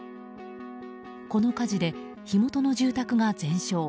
この火事で火元の住宅が全焼。